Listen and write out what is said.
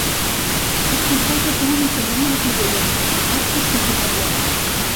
Es proposa que únicament la figura antropomorfa sigui medieval.